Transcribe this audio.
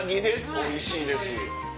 おいしいです。